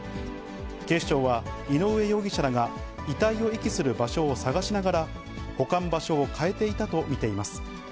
警視庁は、井上容疑者らが、遺体を遺棄する場所を探しながら保管場所を変えていたと見ています。